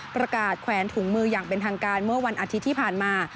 แขวนถุงมืออย่างเป็นทางการเมื่อวันอาทิตย์ที่ผ่านมา